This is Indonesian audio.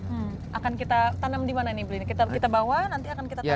hmm akan kita tanam di mana ini beli kita bawa nanti akan kita tanam